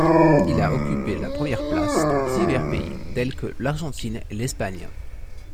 Il a occupé la première place dans divers pays tels que l'Argentine et l'Espagne.